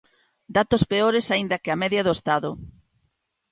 Datos peores aínda que a media do Estado.